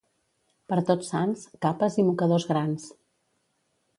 Per Tots Sants, capes i mocadors grans.